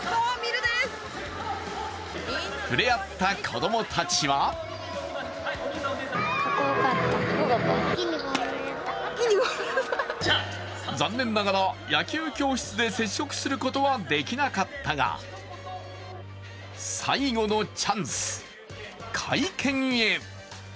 触れ合った子供たちは残念ながら野球教室で接触することはできなかったが最後のチャンス、会見へ。